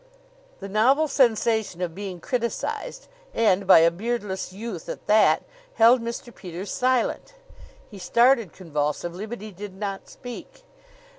The novel sensation of being criticized and by a beardless youth at that held Mr. Peters silent. He started convulsively, but he did not speak.